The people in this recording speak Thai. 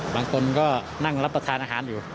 บางคนก็นั่งรับประทานอาหารอยู่